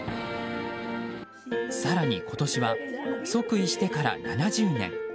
更に、今年は即位してから７０年。